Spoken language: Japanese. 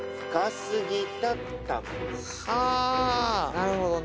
なるほどね。